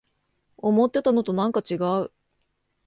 思ってたのとなんかちがう